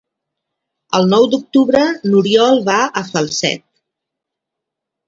El nou d'octubre n'Oriol va a Falset.